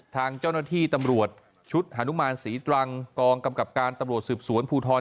ทางเจ้าหน้าที่ตำรวจชุดฮานุมานศรีตรังกองกำกับการตำรวจสืบสวนภูทร